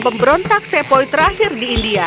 pemberontak sepoi terakhir di india